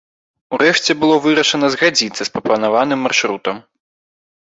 Урэшце было вырашана згадзіцца з прапанаваным маршрутам.